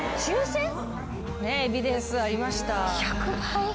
エビデンスありました。